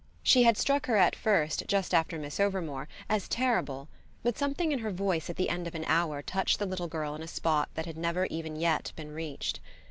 She had struck her at first, just after Miss Overmore, as terrible; but something in her voice at the end of an hour touched the little girl in a spot that had never even yet been reached.